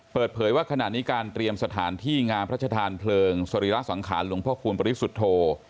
เปิดเผยว่าขณะนี้การเตรียมสถานที่งามพระชธานเพลิงสรีระสังขารหลวงพ่อคูณปริสุทธโธ